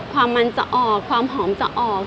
ความมันจะออกความหอมจะออก